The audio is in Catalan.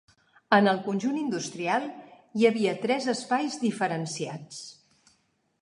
En el conjunt industrial hi havia tres espais diferenciats.